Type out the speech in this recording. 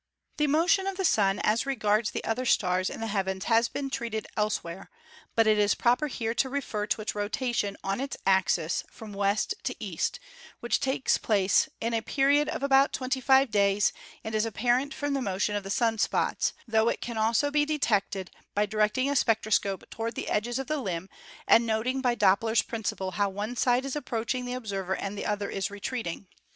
The motion of the Sun as regards the other stars in the heavens has been treated elsewhere, but it is proper here to refer to its rotation on its axis from west to east, which takes place in a period of about 25 days and is apparent from the motion of the sun spots, tho it can also be de tected by directing a spectroscope toward the edges of the limb and noting by Doppler's principle how one side is approaching the observer and the other is retreating.